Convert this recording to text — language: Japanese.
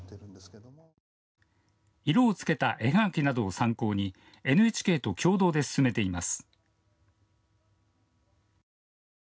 色をつけた絵はがきなどを参考にＮＨＫと共同で進めています。